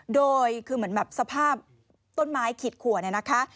โดยคือเหมือนแบบสภาพต้นไม้ขีดขัวเนี่ยนะคะ